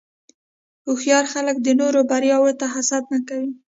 هوښیار خلک د نورو بریاوو ته حسد نه کوي.